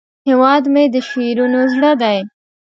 هیواد مې د شعرونو زړه دی